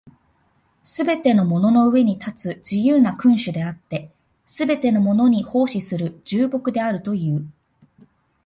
すべてのものの上に立つ自由な君主であって、すべてのものに奉仕する従僕であるという。